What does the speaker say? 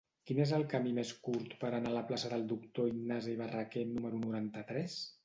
Quin és el camí més curt per anar a la plaça del Doctor Ignasi Barraquer número noranta-tres?